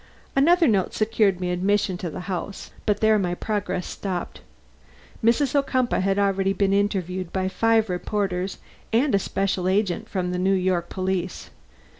Another note secured me admission to the house, but there my progress stopped. Mrs. Ocumpaugh had already been interviewed by five reporters and a special agent from the New York police.